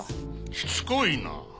しつこいな。